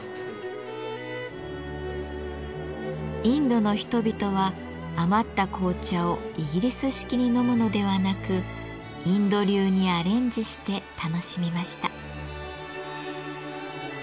インドの人々は余った紅茶をイギリス式に飲むのではなくインド流にアレンジして楽しみました。